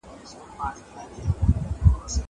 زه به سبا ليکنې کوم!!